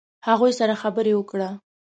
هغوی سره خبرې وکړه.